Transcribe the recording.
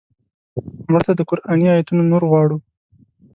مړه ته د قرآني آیتونو نور غواړو